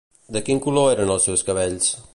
De quin color eren els seus cabells?